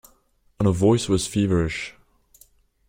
And her voice was feverish.